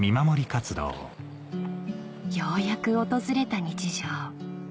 ようやく訪れた日常